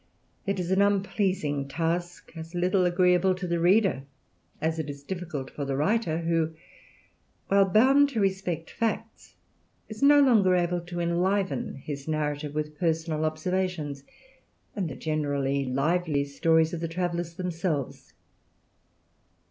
It is an unpleasing task; as little agreeable to the reader as it is difficult for the writer, who, while bound to respect facts, is no longer able to enliven his narrative with personal observations, and the generally lively stories of the travellers themselves.